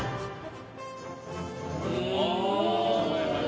お！